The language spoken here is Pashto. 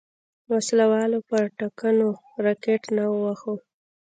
وسله والو پر ټانګونو راکټ نه وواهه.